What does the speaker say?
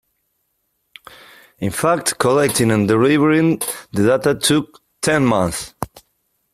In fact, collecting and delivering the data took "ten months".